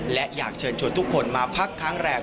และอยากเชิญชวนทุกคนมาพักค้างแรม